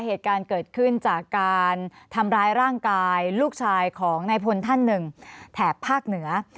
เหตุการณ์เกิดขึ้นจากการทำร้ายร่างกายลูกชายของนายพลท่านหนึ่งแถบภาคเหนือ